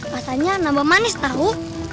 rasanya nambah manis tau